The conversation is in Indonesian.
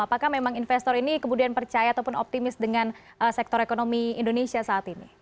apakah memang investor ini kemudian percaya ataupun optimis dengan sektor ekonomi indonesia saat ini